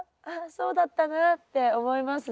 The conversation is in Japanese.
そうだったなって思いますね。